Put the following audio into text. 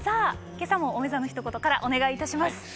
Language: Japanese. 今朝もおめざのひと言からお願いいたします。